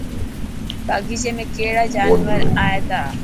باغيچي ۾ ڪهڙا جانور اي تا.